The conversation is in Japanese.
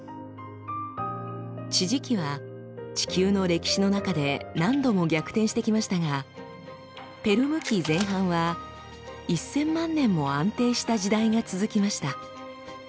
地磁気は地球の歴史の中で何度も逆転してきましたがペルム紀前半は１，０００万年も安定した時代が続きました。